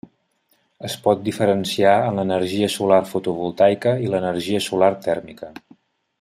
Es pot diferenciar en l'energia solar fotovoltaica i l'energia solar tèrmica.